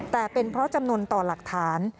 แต่เป็นเพราะจำนวนต่อหลักฐาน